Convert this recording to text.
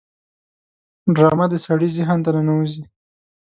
ډرامه د سړي ذهن ته ننوزي